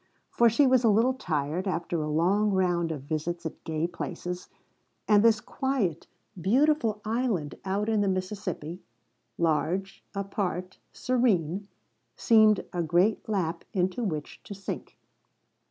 For she was a little tired, after a long round of visits at gay places, and this quiet, beautiful island out in the Mississippi large, apart, serene seemed a great lap into which to sink.